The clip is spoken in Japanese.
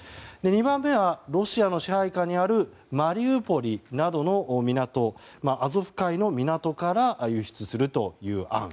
２番目はロシアの支配下にあるマリウポリなどの港アゾフ海の港から輸出するという案。